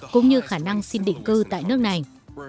cũng như khả năng xin định cư tại nước này